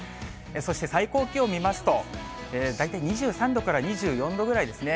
そして最高気温見ますと、大体２３度から２４度ぐらいですね。